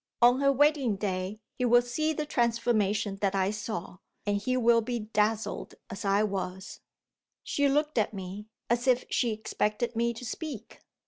On her wedding day, he will see the transformation that I saw and he will be dazzled as I was. She looked at me, as if she expected me to speak.